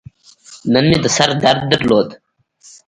نن مې د سر درد درلود.